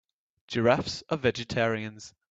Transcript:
Giraffes are vegetarians.